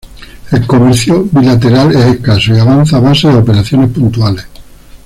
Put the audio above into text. El comercio bilateral es escaso y avanza a base de operaciones puntuales.